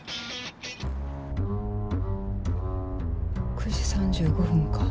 ９時３５分か。